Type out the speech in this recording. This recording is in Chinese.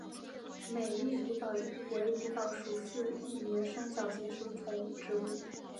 美丽狸藻为狸藻属似一年生小型食虫植物。